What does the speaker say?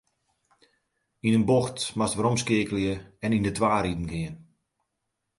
Yn in bocht moatst weromskeakelje en yn de twa riden gean.